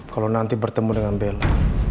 kalau nanti bertemu dengan bella